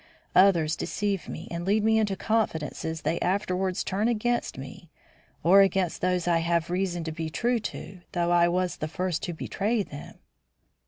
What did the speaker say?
Others deceive me, and lead me into confidences they afterwards turn against me or against those I have reason to be true to, though I was the first to betray them."